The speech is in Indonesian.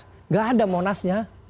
tidak ada monasnya